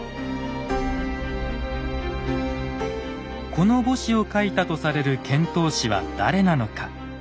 この墓誌を書いたとされる遣唐使は誰なのか。